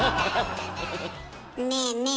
ねえねえ